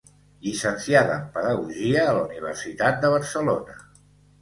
Llicenciada en pedagogia a la Universitat de Barcelona.